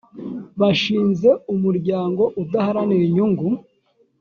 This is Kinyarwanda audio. bashinze umuryango udaharanira inyungu